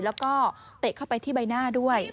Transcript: แล้วก็เตะเข้าไปที่ใบหน้าด้วย